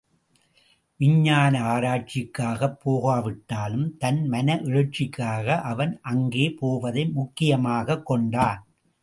விஞ்ஞான ஆராய்ச்சிக்காகப் போகாவிட்டாலும், தன் மன எழுச்சிக்காக அவன் அங்கே போவதை முக்கியமாகக் கொண்டான்.